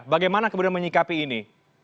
bagaimana kemudian menyikapi ini